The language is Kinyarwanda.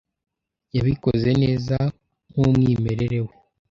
yabikoze neza nk’umwimerere we